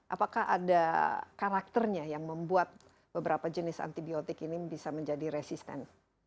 apakah ada karakternya yang membuat beberapa jenis antibiotik ini bisa menjadi resisten